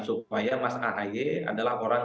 supaya mas ahaye adalah orang